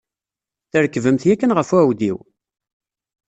Trekbemt yakan ɣef uɛudiw?